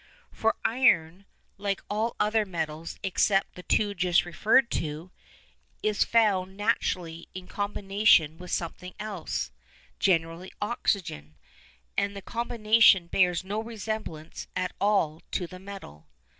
For iron, like all other metals except the two just referred to, is found naturally in combination with something else, generally oxygen, and the combination bears no resemblance at all to the metal.